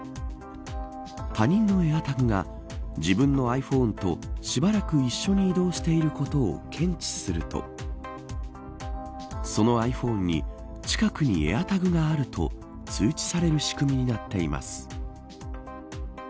他人のエアタグが自分のｉＰｈｏｎｅとしばらく一緒に移動していることを検知するとそのｉＰｈｏｎｅに、近くにエアタグがあると通知される仕組みになっています。